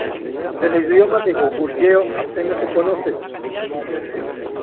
Del idioma de Goguryeo apenas se conoce.